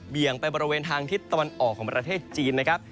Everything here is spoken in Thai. ไปบริเวณทางทิศตะวันออกของประเทศจีนนะครับ